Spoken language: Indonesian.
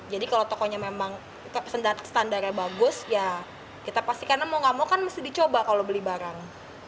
jadi kalau tokonya memang standarnya bagus ya kita pastikan mau gak mau kan mesti dicoba kalau beli barang